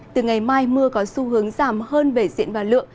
từ ngày mai mưa có xu hướng giảm hơn về diện và lượng